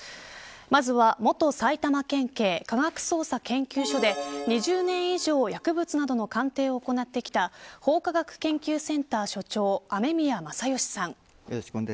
まずは元埼玉県警科学捜査研究所で２０年以上薬物などの鑑定を行ってきた法科学研究センター所長雨宮正欣さん。